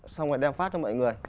xong rồi đem phát cho mọi người